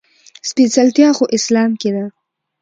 سپېڅلتيا خو اسلام کې ده.